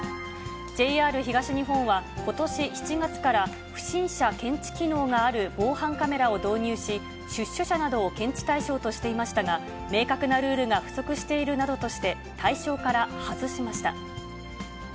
ＪＲ東日本は、ことし７月から、不審者検知機能がある防犯カメラを導入し、出所者などを検知対象としていましたが、明確なルールが不足しているなどとして、対象から外しました。